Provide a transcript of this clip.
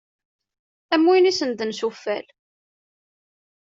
Am win isennden s uffal.